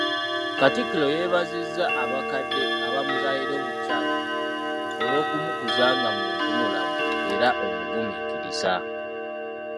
Kattikiro yeebazizza abakadde abamuzaalira omukyala olw’okumukuza nga muntu mulamu era omugumiikiriza.